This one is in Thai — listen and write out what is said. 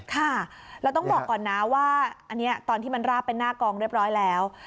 ค่ะเราต้องบอกก่อนนะว่าอันนี้ตอนที่มันราบเป็นหน้ากองเรียบร้อยแล้ว